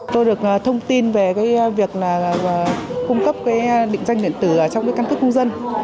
tôi được thông tin về việc cung cấp định danh điện tử trong căn cức công dân